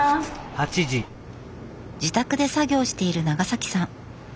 自宅で作業している永崎さん。